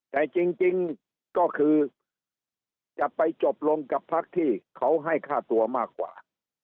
แต่จริงก็คือจะไปจบลงกับพักที่เขาให้ค่าตัวมากกว่า